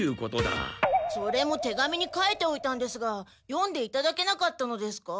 それも手紙に書いておいたんですが読んでいただけなかったのですか？